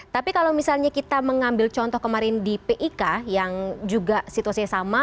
tapi kalau misalnya kita mengambil contoh kemarin di pik yang juga situasinya sama